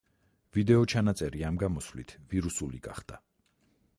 ვიდეო-ჩანაწერი ამ გამოსვლით ვირუსული გახდა.